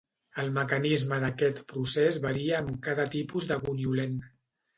El mecanisme d'aquest procés varia amb cada tipus de goniolent.